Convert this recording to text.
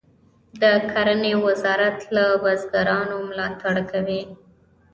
د کرنې وزارت له بزګرانو ملاتړ کوي